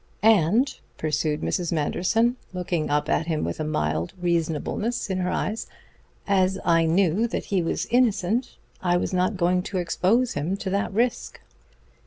"And," pursued Mrs. Manderson, looking up at him with a mild reasonableness in her eyes, "as I knew that he was innocent I was not going to expose him to that risk."